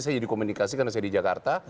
saya dikomunikasi karena saya di jakarta